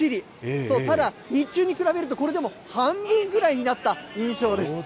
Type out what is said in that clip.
そう、ただ日中に比べると、これでも半分ぐらいになった印象です。